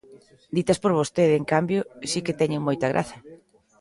Ditas por vostede, en cambio, si que teñen moita graza.